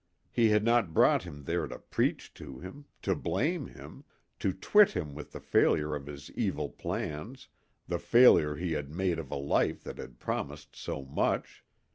He had not brought him there to preach to him, to blame him, to twit him with the failure of his evil plans, the failure he had made of a life that had promised so much.